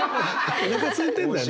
おなかすいてんだね。